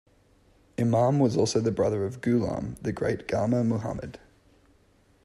Imam was also the brother of Ghulam "the great Gama" Muhammad.